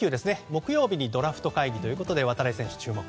木曜日にドラフト会議ということで度会選手、注目。